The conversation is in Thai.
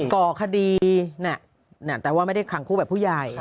ก่อคดีแต่ว่าไม่ได้ขังคู่แบบผู้ใหญ่